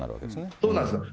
そうなんです。